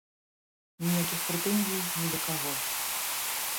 Ніякіх прэтэнзій ні да каго.